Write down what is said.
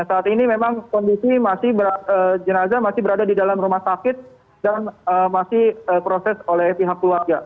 saat ini memang kondisi jenazah masih berada di dalam rumah sakit dan masih proses oleh pihak keluarga